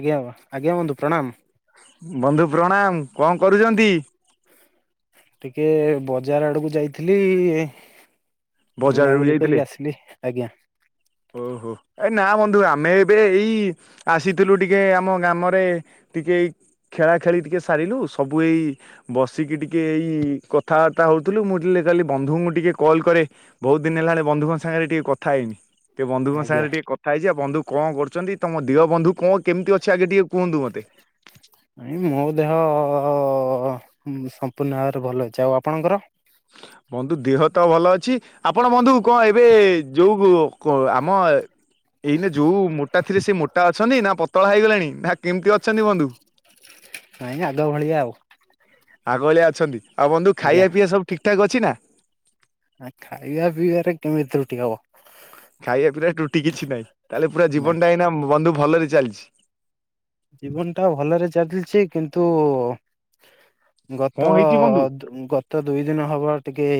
ଆଜ୍ଞା ଆଜ୍ଞା ବନ୍ଧୁ ପ୍ରଣାମ। ବନ୍ଧୁ ପ୍ରଣାମ କଣ କରୁଚନ୍ତି? ଟିକେ ବଜାର ଆଡକୁ ଯାଇଥିଲି ବଜାରକୁ ବୁଲାବୁଲି ଯାଇଥିଲେ କରିକି ଆସିଲି। ଆଜ୍ଞା। ଓହୋ ଏ ନା ବନ୍ଧୁ ଆମେ ଏବେ ଏଇ ଆସିଥିଲୁ ଟିକେ ଆମ ଗ୍ରାମରେ ଟିକେ ଖେଳା ଖେଳି ଟିକେ ସାରିଲୁ ସବୁ ଏଇ ବସିକି ଟିକେ ଏଇ କଥାବାର୍ତ୍ତା ହଉଥିଲୁ ମୁଁ କଲି ବନ୍ଧୁଙ୍କୁ ଟିକେ କଲ୍ କରେ। ବହୁତ ଦିନ ହେଲାଣି ବନ୍ଧୁଙ୍କ ସାଙ୍ଗରେ ଟିକେ କଥା ହେଇନି। ଟିକେ ବନ୍ଧୁଙ୍କ ଆଜ୍ଞା ସାଙ୍ଗରେ ଟିକେ କଥା ହେଇଯିବା ବନ୍ଧୁ କଣ କରୁଚନ୍ତି ତମ ଦିଅ ବନ୍ଧୁ କଣ କେମିତି ଅଛନ୍ତି ଆଗେ ଟିକେ କୁହନ୍ତୁ ମତେ? ମୋ ଦେହ ହ ସମ୍ପୂର୍ଣ୍ଣ ଭାବରେ ଭଲ ଅଛି ଆଉ ଆପଣଙ୍କର? ବନ୍ଧୁ ଦେହ ତ ଭଲ ଅଛି ଆପଣ ବନ୍ଧୁ କଣ ଏବେ ଯୋଉ କ ଆମ ଏଇନେ ଯୋଉ ମୋଟା ଥିଲେ ସେ ମୋଟା ଅଛନ୍ତି ନା ପତଳା ହେଇଗଲେଣି ନା କେମତି ଅଛନ୍ତି ବନ୍ଧୁ? ନାଇଁ ଆଗ ଭଳିଆ ଆଉ ଆଗ ଭଳିଆ ଅଛନ୍ତି ଆଉ ବନ୍ଧୁ ଆଜ୍ଞା ଖାଇବା ପିଇବା ସବୁ ଠିକ ଠାକ ଅଛି ନା। ଖାଇବା ପିଇବାରେ କେମିତି ତ୍ରୁଟି ହବ। ଖାଇବା ପିଇବା ଟୁଟି କିଛି ନାହିଁ ତାହେଲେ ପୁରା ନାଇଁ ଜୀବନଟା ଏଇନା ବନ୍ଧୁ ଭଲରେ ଚାଲିଚି। ଜୀବନ ଟା ଭଲରେ ଚାଲିଚି କିନ୍ତୁ କଣ ଗତ ହେଇଛି ବନ୍ଧୁ ଗତ ଦୁଇ ଦିନ ହବ ଟିକେ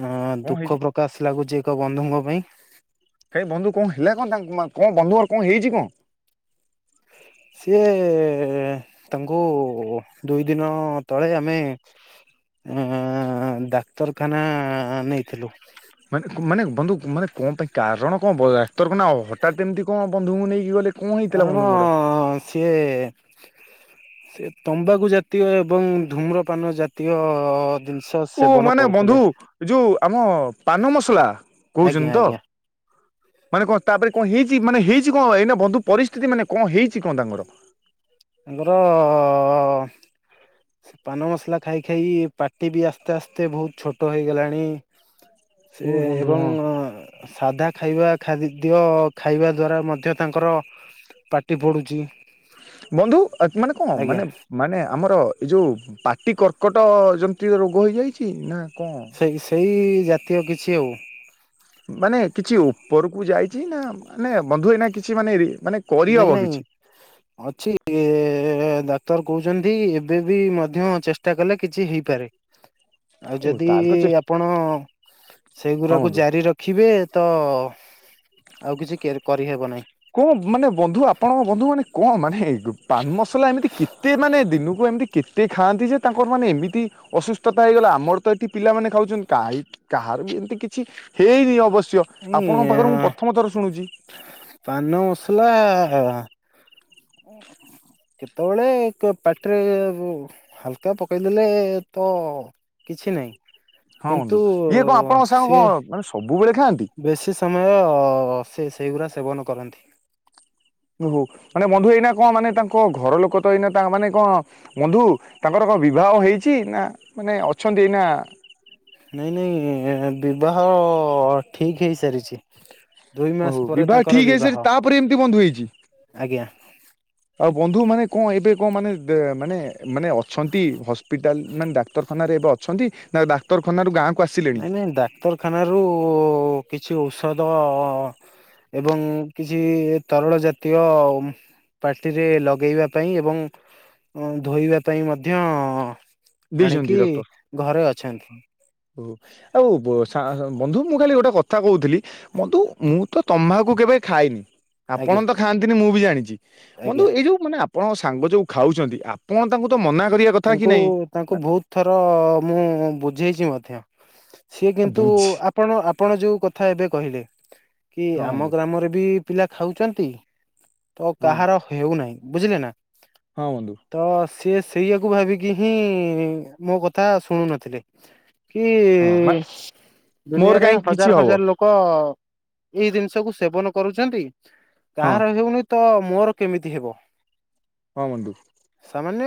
ଅ କଣ ଦୁଃଖ ହେଇଛି ପ୍ରକାଶ ଲାଗୁଚି ଏକ ବନ୍ଧୁଙ୍କ ପାଇଁ। ହେ ବନ୍ଧୁ କଣ ହେଲା କଣ ତାଙ୍କୁ କଣ ବନ୍ଧୁଙ୍କର କଣ ହେଇଛି କଣ? [inaudible] ସିଏ ତାଙ୍କୁ ଦୁଇ ଦିନ ତଳେ ଆମେ ଆ ଡାକ୍ତରଖାନା ନେଇଥିଲୁ। ମାନେ ମାନେ ବନ୍ଧୁ ମାନେ କଣ ପାଇଁ କାରଣ କଣ ବ ଡାକ୍ତରଖାନା ହଠାତ ଏମିତି କଣ ବନ୍ଧୁଙ୍କୁ ନେଇକି ଗଲେ। କଣ ହେଇଥିଲା କାରଣ ବନ୍ଧୁଙ୍କର? ସିଏ ସେ ତମ୍ବାକୁ ଜାତୀୟ ଏବଂ ଧୂମ୍ରପାନ ଜାତୀୟ ଜିନିଷ ଓ ସେବନ ମାନେ କରୁଥିଲେ। ବନ୍ଧୁ ଯୋଉ ଆମ ପାନ ମସଲା ଆଜ୍ଞା କହୁଛନ୍ତି ତ? ଆଜ୍ଞା। ମାନେ କଣ ତାପରେ କଣ ହେଇଚି ମାନେ ହେଇଚି କଣ ଏଇନା ବନ୍ଧୁ ପରିସ୍ଥିତି ମାନେ କଣ ହେଇଚି କଣ ତାଙ୍କର? ତାଙ୍କର ପାନ ମସଲା ଖାଇ ଖାଇ ପାଟି ବି ଆସ୍ତେ ଆସ୍ତେ ବହୁତ ଛୋଟ ହେଇଗଲାଣି। ଓ ସେ ବନ୍ଧୁ ଏବଂ ହଁ। ସାଧା ଖାଇବା ଖାଦ୍ୟ ଓ ଖାଇବା ଦ୍ୱାରା ମଧ୍ୟ ତାଙ୍କର ପାଟି ପଡ଼ୁଚି। ବନ୍ଧୁ ଆ ମାନେ କଣ ମାନେ ମାନେ ଆମର ଏଇ ଯୋଉ ପାଟି କର୍କଟ ଯେମିତି ରୋଗ ହେଇଯାଇଚି ନା? କଣ ସେଇ ସେଇ ଜାତୀୟ କିଛି ଆଉ। ମାନେ କିଛି ଉପରକୁ ଯାଇଚି ନା ମାନେ ବନ୍ଧୁ ଏଇନା କିଛି ମାନେ ମାନେ ନାଇଁ କରିହବ ନାଇଁ କିଛି? ଅଛି ଡାକ୍ତର କହୁ ଚନ୍ତି ଏବେ ବି ମଧ୍ୟ ଚେଷ୍ଟା କଲେ କିଛି ହେଇପାରେ। ଆଉ ଓ ଯଦି ତାହେଲେ ତ ଚେଷ୍ଟା ଆପଣ ହଁ ସେଇଗୁଡାକୁ ବନ୍ଧୁ। ଜାରି ରଖିବେ। ତ ଆଉ କିଛି କେର କରିହେବ ନାହିଁ। କଣ ମାନେ ବନ୍ଧୁ ଆପଣଙ୍କ ବନ୍ଧୁ ମାନେ କଣ ମାନେ ପାନ ମସଲା ଏମିତି କେତେ ମାନେ ଦିନକୁ ଏମିତି କେତେ ଖାଆନ୍ତି ଯେ ତାଙ୍କର ମାନେ ଏମିତି ଅସୁସ୍ଥତା ହେଇଗଲା ଆମର ତ ଏଠି ପିଲାମାନେେ ଖାଉଚନ୍ତି କାହି କାହାର ବି ଏମିତି କିଛି ହେଇନି ଅବଶ ୟ ଆପଣଙ୍କ ଏଇ ପାଖରୁ ମୁଁ ପ୍ରଥମ ଥର ଶୁଣୁଚି। ସାଲା କେତେବେଳେ କ ପାଟିରେ ହାଲକା ପକେଇଦେଲେ ତ କିଛିନାହିଁ ହଁ ବନ୍ଧୁ କିନ୍ତୁ ଇଏ କଣ ଆପଣଙ୍କ ସାଙ୍ଗ କଣ ସିଏ ମାନେ ସବୁବେଳେ ଖାଆନ୍ତି ବେଶୀ ସମୟ ସେ ସେଇଗୁଡ଼ା ସେବନ କରନ୍ତି। ଓହୋ ମାନେ ବନ୍ଧୁ ଏଇନା କଣ ମାନେ ତାଙ୍କ ଘର ଲୋକ ତ ଏଇନା ମାନେ କଣ ବନ୍ଧୁ ତାଙ୍କର କଣ ବିବାହ ହେଇଚି ନା ମାନେ ଅଛନ୍ତି ଏଇନା ନାଇଁ ନାଇଁ ବିବାହ ଠିକ ହେଇସାରିଚି। ହଉ ବିବାହ ଠିକ ହେଇ ସାରି ତାପରେ ଏମିତି ବନ୍ଧୁ ହେଇଚି। ଆଜ୍ଞା ଆଉ ବନ୍ଧୁ ମାନେ କଣ ଏବେ କଣ ମାନେ ମାନେ ମାନେ ଅଛନ୍ତି ହସ୍ପିଟାଲ ମାନେ ଡାକ୍ତରଖାନାରେ ଏବେ ଅଛନ୍ତି ନା ଡାକ୍ତରଖାନାରୁୁ ଗାଁ ନାଇଁ ନାଇଁ ଡାକ୍ତରଖାନାରୁୁ କିଛି ଔଷଧ ଏବଂ କିଛି ତରଳ ଜାତୀୟ ପାଟିରେ ଲଗେଇବା ପାଇଁ ଏବଂ ଧୋଇବା ପାଇଁ ମଧ୍ୟ ଦେଇଛନ୍ତି ଆଣିକି ଡକ୍ଟର? ଘରେ ଅଛନ୍ତି। ଓହୋ ଆଉ ସା ବନ୍ଧୁ ମୁଁ ଖାଲି ଗୋଟେ କଥା କହୁଥିଲି ବନ୍ଧୁ ମୁଁ ତ ତମାଖୁ କେବେ ଖାଇନି ଆପଣ ଆଜ୍ଞା ତ ଖାଆନ୍ତିନି ମୁଁ ବି ଜାଣିଛି। ବନ୍ଧୁ ଆଜ୍ଞା ଏଇ ଯୋଉ ମାନେ ଆ ଆପଣ ସାଙ୍ଗ ଯୋଉ ଖାଉଛନ୍ତି ଆପଣ ତାଙ୍କୁ ତ ମନା କରିବା କଥା କି ତାଙ୍କୁ ନାଇଁ। ତାଙ୍କୁ ନା ବହୁତ ଥର ମୁଁ ବୁଝେଇଛି ମଧ୍ୟ ସିଏ କିନ୍ତୁ ବୁଝି ଆପଣ ଆପଣ ଯୋଉ କଥା ଏବେ କହିଲେ କି ହଁ ଆମ ବନ୍ଧୁ ଗ୍ରାମରେ ବି ପିଲା ଖାଉଛନ୍ତି ତ ହଁ କାହାର ହେଉନାହିଁ। ବୁଝିଲେ ନା। ହଁ ବନ୍ଧୁ। ସେ ସେଇଆକୁ ଭାବିକି ହିଁ ମୋ କଥା ଶୁଣୁ ନଥିଲେ। କି ହଁ ମା ମୋର ଦୁନିଆରେ କାହିଁକି କିଛି ହଜାର ହବ ହଜାର ଲୋକ ଏଇ ଜିନିଷକୁୁ ସେବନ କରୁଛନ୍ତି ହଁ କାହାର ହେଉନି ତ ମୋର କେମିତି ହେବ? ହଁ ବନ୍ଧୁ। ସାମାନ୍ୟ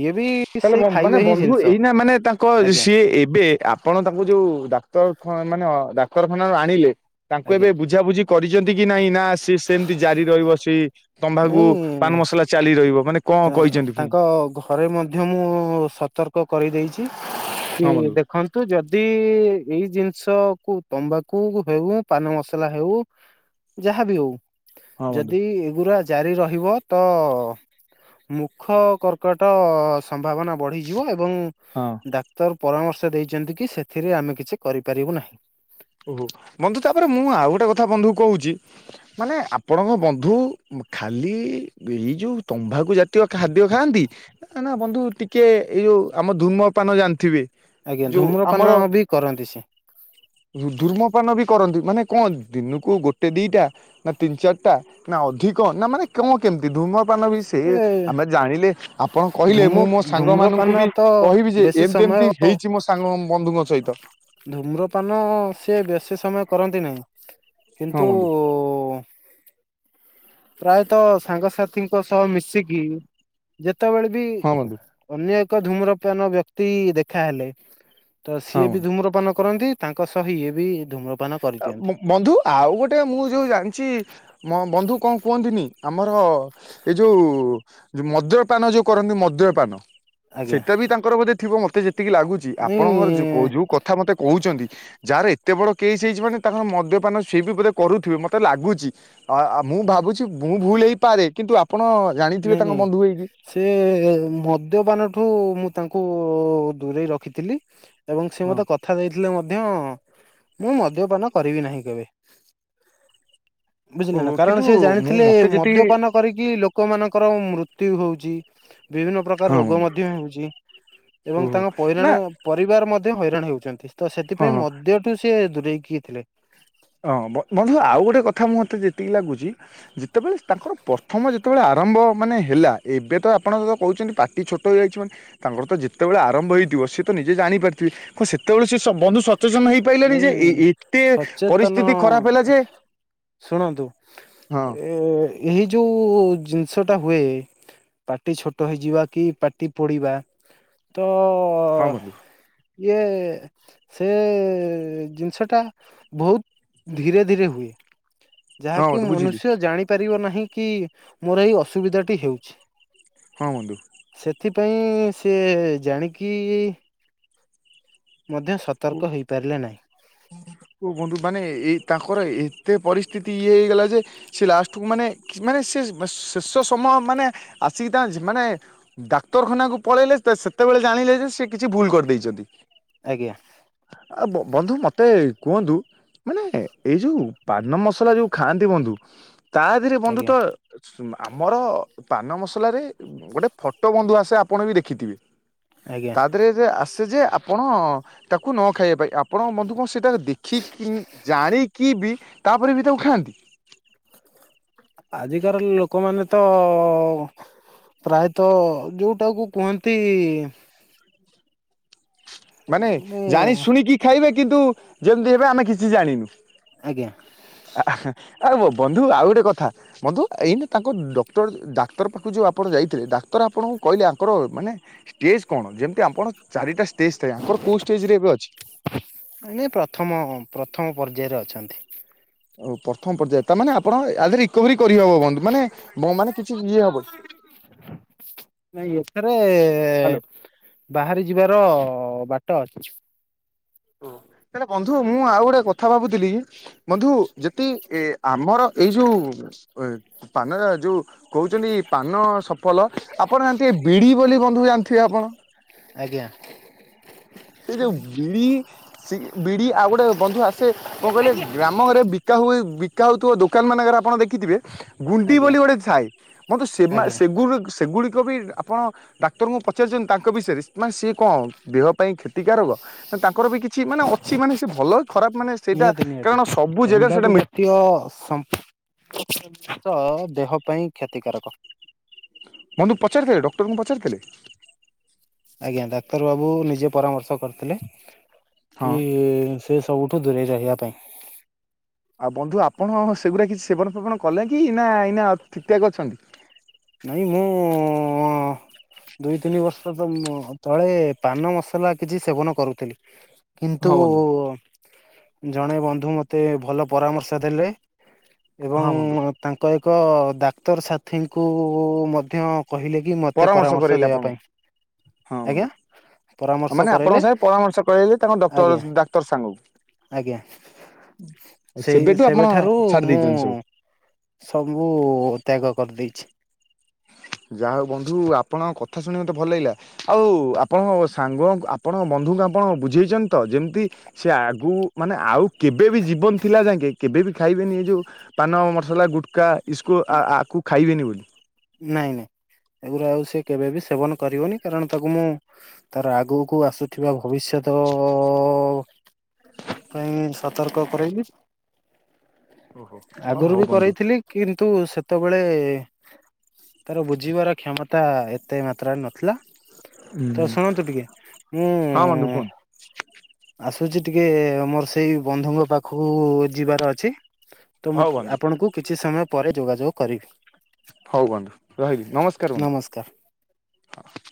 ଇଏ ବି ତାହାଲେ ସେଇ ମାନେ ଖାଇବା ହିଁ ବନ୍ଧୁ ଜିନିଷ ଏଇ ନା ମାନେ ତାଙ୍କ ଆଜ୍ଞା ସିଏ ଏବେ ଆପଣ ତା ଯୋଉ ଡାକ୍ତର ମାନେ ଡାକ୍ତରଖାନାରୁ ଆଣିଲେ ତାଙ୍କୁ ଏବେ ଆଜ୍ଞା ବୁଝା ବୁଝି କରିଛନ୍ତି କି ନାଇଁ ନା ସେ ସେମିତି ଜାରି ରହିବ ସେଇ ତମାଖୁ ନାଇଁ ପାନ ମସଲା ଚାଲି ରହିବ ମାନେ କଣ କହିଛନ୍ତି ପୁଣି ତାଙ୍କ ଘରେ ମଧ୍ୟ ମୁଁ ସତର୍କ କରିଦେଇଛି। କି ହଁ ବନ୍ଧୁ ଦେଖନ୍ତୁ ଯ ଯଦି ଏଇ ଜିନିଷ କୁ ତମ୍ୱାଖୁ ହେଉ ପାନ ମସଲା ହେଉ ଯାହାବି ହଉ ହଁ ବନ୍ଧୁ ଯଦି ଏଗୁରା ଜାରି ରହିବ ତ ମୁଖ କର୍କଟ ସମ୍ଭାବନା ବଢିଯିବ। ଏ ଏବଂ ହଁ। ଡାକ୍ତର ପରାମର୍ଶ ଦେଇଛନ୍ତି କି ସେଥିରେ ଆମେ କିଛି କରିପାରିବୁ ନାହିଁ। ଓହୋ ବନ୍ଧୁ ତାପରେ ମୁଁ ଆଉ ଗୋଟେ କଥା ବନ୍ଧୁ କହୁଛି ମାନେ ଆପଣଙ୍କ ବନ୍ଧୁ ଖାଲି ଏଇ ଯୋଉ ତମ୍ୱାଖୁ ଜାତୀୟ ଖାଦ୍ୟ ଖାଆନ୍ତି ନା ନା ବନ୍ଧୁ ଟିକେ ଏଇ ଯଉ ଆମ ଧୂମପାନ ଜାଣିଥିବେ ଆଜ୍ଞା ଯୋଉ ଧୂମ୍ରପାନ ବି କରନ୍ତି ସେ ଧୁମପାନ ବି କରନ୍ତି। ମାନେ କଣ ଦିନକୁ ଗୋଟେ ଦିଟା ନା ତିନି ଚାରିଟା ନା ଅଧି କଣ ନା ମାନେ କଣ କେମିତି ଧୁମ ପାନ ବି ସେ ଏ ଆମେ ଜାଣିଲେ ଆପଣ କହିଲେ ଧୂମ ମୁଁ ମୋ ସାଙ୍ଗ ମାନଙ୍କୁ ଧୂମ୍ରପାନ ବି ତ କହିବି ଯେ ବେଶୀ ଏମତି ସମୟ କେମତି ହେଇଛି ମୋ ସାଙ୍ଗ ବନ୍ଧୁଙ୍କ ସହିତ। ଧୂମ୍ରପାନ ସେିବେଶୀ ସମୟ କରନ୍ତି ନାହିଁ। ହଁ କିନ୍ତୁ ବନ୍ଧୁ ପ୍ରାୟତଃ ସାଙ୍ଗସାଥିଙ୍କ ସହ ମିଶିକି ଯେ ସେତେବେଳେ ବି ହଁ ବନ୍ଧୁ ଅନ୍ୟ ଏକ ଧୂମ୍ରପାନ ବ୍ୟକ୍ତି ଦେଖାହେଲେ ତ ହଁ ସିଏ ବି ବନ୍ଧୁ ଧୁମ୍ରପାନ କରନ୍ତି ତାଙ୍କ ସହ ଇଏ ବି ଧୁମ୍ରପ ବନ୍ଧୁ ଆଉ ଗୋଟେ ମୁଁ ଯୋଉ ଜାଣିଛି ବନ୍ଧୁ କଣ କୁହନ୍ତିନି ଆମର ଏଇ ଯୋଉ ମଦ୍ୟପାନ ଯୋଉ କରନ୍ତି ମଦ୍ୟପାନ ଆଜ୍ଞା ସେଇଟା ବି ତାଙ୍କର ବୋଧେ ଥିବ ମତେ ଯେତିକି ଲାଗୁଛି ନାଇଁ ଆପଣଙ୍କର ଯୋଉ କଥା ମତେ କହୁଛନ୍ତି ଯାହାର ଏତେ ବଡ କେହି ଚି ମାନେ ତା ମଦ୍ୟପାନ ସିଏ ବି ବୋଧେ କରୁଥିବେ ମତେ ଲାଗୁଛି ଆ ମୁଁ ଭାବୁଛି ମୁଁ ଭୁଲ ପାରେ କିନ୍ତୁ ଆ ନାଇଁ ନାଇଁ ସେ ମଦ୍ୟପାନଠୁ ମୁଁ ତାଙ୍କୁ ଠୁ ଦୂରେଇ ରଖିଥିଲି ଏବଂ ସେ ହଁ ମତେ କଥା ଦେଇଥିଲେ ମଧ୍ୟ ମୁଁ ମଦ୍ୟପାନ କରିବି ନାହିଁ କେବେ। ବୁଝିଲେ ନା ଓହୋ କାରଣ କିନ୍ତୁ ସେ ମୁଁ ଜାଣିଥିଲେ ମତେ ଯେତିକି ମଦ୍ୟପାନ କରିକି ଲୋ ମାନଙ୍କର ମୃତ୍ୟୁ ହଉଚି ବିଭିନ୍ନ ପ୍ରକାର ହଁ ରୋଗ ବନ୍ଧୁ ମଧ୍ୟ ହେଉଚି ଏବଂ ଓହୋ ତାଙ୍କ ନା ପଇରାଣ ପରିବାର ମଧ୍ୟ ହଇ ରାଣ ହେଉଚନ୍ତି ତ ହଁ। ସେଥିପାଇଁ ମଦିୟ ଠୁ ସିଏ ଦୂରେଇକି ଥିଲେ। ହଁ ବ ବନ୍ଧୁ ଆଉ ଗୋଟେ କଥା ମୁଁ ମତେ ଯେତିକି ଲାଗୁଚି ଯେତେବେଳେ ତାଙ୍କର ପ୍ରଥମ ଯେତେବେଳେ ଆ ଆରମ୍ଭ ମାନେ ହେଲା ଏବେ ତ ଆପଣ ଯଉ କହୁଛନ୍ତି ପାଟି ଛୋଟ ହେଇଯାଇଚି ମାନେ ତାଙ୍କର ତ ଯେତେବେଳେ ଆରମ୍ଭ ହୋଇଇଥ ଥି ସେ ତ ନିଜେ ଜାଣି ପାରିଥିବେ ସେତେବେଳେ ସେ ବନ୍ଧୁ ସଚେତନ ହେଇପାରିଲାନି ଯେ ଏ ଏ ଏତେ ପରି ନ ଶୁଣନ୍ତୁ ହଁ ଏ ଏହି ଯୋଉ ଜିନିଷଟା ହୁଏ ପାଟି ଛୋଟ ହେଇଯିବା କି ପାଟି ପଡିବା ତ ହଁ ତ ବନ୍ଧୁ ଇଏ ସେ ଜିନିଷ ଟା ବହୁତ ଧୀରେ ଧୀରେ ହୁଏ। ହଁ ଯାହାକି ବନ୍ଧୁ ବୁଝିଲି ମନୁଷ୍ୟ ଜାଣି ପାରିବ ନାହିଁ କି ମୋର ଏଇ ଅସୁବିଧାଟି ହେଉଛି। ହଁ ବନ୍ଧୁ। ପାଇଁ ସେ ଜାଣିକି ମଧ୍ୟ ଓ ସତର୍କ ହେଇପାରିଲେ ନାହିଁ ଓ ବନ୍ଧୁ ମାନେ ଏଇ ତାଙ୍କ ଙ୍କର ଏତେ ପରିସ୍ଥିତି ଇଏ ହେଇଗଲା ଯେ ସେ ଲାଷ୍ଟକୁ ମାନେ ମାନେ ସେ ଶେଷ ସମୟ ମାନେ ଆସିକି ମାନେ ଡାକ୍ତରଖାନା କୁ ପଳେଇଲେ ସେତେବେଳେ ଜାଣିଲେ ଯେ ସେ କିଛି ଭୁଲ କର ଦେଇଛନ୍ତି। ଆଜ୍ଞା। ଆଉ ବନ୍ଧୁ ମୋତେ କୁହନ୍ତୁ ମାନେ ଏଇ ଯୋଉ ପାନ ମସଲା ଯଉଁ ଖାଆନ୍ତି ବନ୍ଧୁ ତା ଦେହରେ ବନ୍ଧୁ ତ ଆଜ୍ଞା ଆମର ପାନ ମସଲାରେ ଗୋଟେ ଫଟୋ ବନ୍ଧୁ ଆସେ ଆପଣ ବି ଦେଖିଥିବେ ଆଜ୍ଞା ତା ଦେହରେ ଯେ ଆସେ ଯେ ଆପଣ ତାକୁ ନ ଖାଇବା ପାଇଁ ଆପଣ ବନ୍ଧୁ କଣ ସେଇଟା ଦେଖିକି ଜାଣିକି ବି ତାପରେ ବି ତାକୁ ଖାଆନ୍ତି। ଆଜିକାର ଲୋକମାନେ ତ ପ୍ରାୟତଃ ଯୋଉଟାକୁ କୁହନ୍ତି ମାନେ ଜାଣି ଶୁଣିକି ଖାଇବେ। କିନ୍ତୁ ଯେମିତି ହେବେ ଆମେ କିଛି ଜାଣିନୁ। ଆଜ୍ଞା ଆ। ଆ ହ ବନ୍ଧୁ ଆଉ ଗୋଟେ କଥା। ବନ୍ଧୁ ଏଇନା ତାଙ୍କୁ ଡକ୍ଟର ଡାକ୍ତର ପାଖକୁ ଯୋଉ ଆପଣ ଯାଇଥିଲେ! ଡାକ୍ତର ଆପଣଙ୍କୁ କହିଲେ ଆଙ୍କର ମାନେ ଷ୍ଟେଜ କଣ। ଯେମତି ଆପଣ ଚାରିଟା ଷ୍ଟେଜ୍ ଥାଏ ଆଙ୍କର କୋଉ ଷ୍ଟେଜରେ ଏବେ ଅଛି? [inaudible] ମାନେ ପ୍ରଥମ ପ୍ରଥମ ପର୍ଯ୍ୟାୟରେ ଅଛି। ଅଛନ୍ତି। ଓଉ ପ୍ରଥମ ପର୍ଯ୍ୟାୟ। ତା ମାନେ ଆପଣ ରିକଭରି କରିହବ ବନ୍ଧୁ ମାନେ ମାନେ କିଛି ଇଏ ହବନି। ନାଇଁ ଏଥିରେ ହ୍ୟାଲୋ। ବାହାରି ଯିବାର ହଁ ବାଟ ଅଛି। ହେଲେ ବନ୍ଧୁ ମୁଁ ଆଉ ଗୋଟେ କଥା ଭାବୁଥିଲି। ବନ୍ଧୁ ଯଦି ଏ ଆମର ଏଇ ଯୋଉ ଏ ପାନରା ଯୋଉ କହୁଛନ୍ତି ପାନ ସଫଲ। ଆପଣ ଜାଣିଥିବେ ବିଡି ବୋଲି ବନ୍ଧୁ ଜାଣିଥିବେ ଆପଣ। ଆଜ୍ଞା। ସେ ଯୋଉ ବିଡ଼ି ସେଇ ବିଡ଼ି ଆଉ ଗୋଟେ ବନ୍ଧୁ ଆସେ, କଣ କହିଲେ ଗ୍ରାମରେ ବିକା ହୁଏ। ବିକାହଉଥିବ ଦୋକାନ ମାନଙ୍କରେ ଆପଣ ଦେଖିଥିବେ। ଗୁଣ୍ଡି ଆଜ୍ଞା ବୋଲି ଗୋଟେ ଥାଏ। ମୋତେ ସେ ମା ଆଜ୍ଞା ସେଗୁ ସେଗୁଡିକ କବି ଆପଣ ଡାକ୍ତରଙ୍କୁ ପଚାରିଛନ୍ତି ତାଙ୍କ ବିଷୟରେ ମାନେ ସିଏ କଣ ଦେହ ପାଇଁ କ୍ଷତି ଟିକା ରୋଗ ତାଙ୍କର ବି କିଛି ମାନେ ଅଛି। ମାନେ ସେ ଭଲ ଖରାପ ମାନେ ସେଇଟା ନିହାତି ନିହାତି କାରଣ ସବୁ ଜାଗାରେ ତମ୍ବାଖୁ ସେଇଟା ମିଳି ଜାତୀୟ [unintelligible] ଦେହ ପାଇଁ କ୍ଷତିକାରକ। ବନ୍ଧୁ ପଚାରିଥିଲେ। ଡକ୍ଟରଙ୍କୁ ପଚାରିଥିଲେ? ଆଜ୍ଞା ଡାକ୍ତର ବାବୁ ନିଜେ ପରାମର୍ଶ କରିଥିଲେ। ହଁ କି ସେ ସବୁଠୁ ଦୂରେଇ ରହିବା ପାଇଁ। ଆଉ ବନ୍ଧୁ ଆପଣ ସେଗୁଡା କିଛି ସେବନ ଫେବନ କଲେ କି ନା ଏଇନା ଠିକ୍ ଠାକ୍ ଅଛନ୍ତି। ନାଇଁ ମୁଁ ଦୁଇ ତିନି ବର୍ଷ ତ ତଳେ ପାନ ମସଲା କିଛି ସେବନ କରୁଥିଲି। କିନ୍ତୁ ହଁ ବନ୍ଧୁ। ଜଣେ ବନ୍ଧୁ ମୋତେ ଭଲ ପରାମର୍ଶ ଦେଲେ। ଏବଂ ହଁ ବନ୍ଧୁ ତାଙ୍କ ଏକ ଡାକ୍ତର ସାଥୀଙ୍କୁ ମଧ୍ୟ କହିଲେ କି ମୋତେ ପରାମର୍ଶ କରେଇଲେ ଦେବା ଆପଣଙ୍କୁ ପାଇଁ। ହଁ ଆଜ୍ଞା ବନ୍ଧୁ। ପରାମର୍ଶ ମାନେ ଆପଣଙ୍କ କରାଇଲେ ସାଙ୍ଗେ ପରାମର୍ଶ କରେଇଲେ ତାଙ୍କ ଡକ୍ଟର ଆଜ୍ଞା ଡାକ୍ତର ଆଜ୍ଞା ସାଙ୍ଗକୁ। ସେଇ ସେବେଠୁ ଆପଣ ସେବେଠାରୁ ଛାଡି ମୁଁ ଦେଇଛନ୍ତି ସବୁ। ସବୁ ତ୍ୟାଗ କରିଦେଇଛି। ଯାହା ହଉ ବନ୍ଧୁ ଆପଣଙ୍କ କଥା ଶୁଣ ମତେ ଭଲ ଲାଗିଲା। ଆଉ ଆପଣଙ୍କ ସାଙ୍ଗ ଆପଣଙ୍କ ବ ନ୍ଧୁଙ୍କୁ ଆପଣ ବୁଝେଇଛନ୍ତି ତ ଯେମିତି ସେ ଆଗୁ ମାନେ ଆଉ କେବେ ବି ଜୀବନ ଥିଲା ଯାଙ୍କେ କେବେ ବି ଖାଇବେନି ଏ ଯେଉଁ ପାନ ମସଲା ଗୁଟକା ଇସ୍କୁ ଆ ଆ ଆକୁ ଖାଇବେନି ବୋଲି। ନାଇଁ ନାଇଁ ଏଗୁରା ଆଉ ସେ କେବେ ବି ସେବନ କରିବନି କାରଣ ତାକୁ ମୁଁ ତାର ଆଗକୁ ଆସୁଥିବା ଭବିଷ୍ୟତ ପାଇଁ ସତର୍କ କରାଇବି। ଓହୋ ଆଗରୁ ହଉ ବି ବନ୍ଧୁ। କରରେଇଥିଲି କିନ୍ତୁ ସେତେବେଳେ ତାର ବୁଝିବାର କ୍ଷମତା ଏତେ ମାତ୍ରାରେ ନଥିଲା। ତ ହୁଁ। ଶୁଣନ୍ତୁ ଟିକେ ମୁଁ ହଁ ବନ୍ଧୁ କୁହନ୍ତୁ ଆସ ଟୁଛି ଟିକେ ମୋର ସେଇ ବନ୍ଧୁଙ୍କ ପାଖକୁ ଯିବାର ଅଛି। ତ ମୁଁ ହଉ ବନ୍ଧୁ ଆପଣଙ୍କୁ କିଛି ସମୟ ପରେ ଯୋଗାଯୋଗ କରିବି। ହଉ ବନ୍ଧୁ ରହିଲି ନମସ୍କାର ବନ୍ଧୁ।